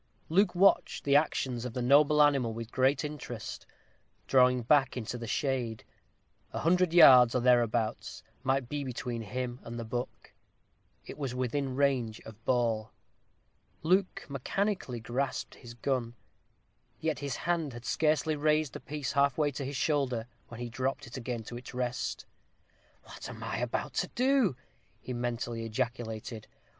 Luke watched the actions of the noble animal with great interest, drawing back into the shade. A hundred yards, or thereabouts, might be between him and the buck. It was within range of ball. Luke mechanically grasped his gun; yet his hand had scarcely raised the piece half way to his shoulder, when he dropped it again to its rest. "What am I about to do?" he mentally ejaculated.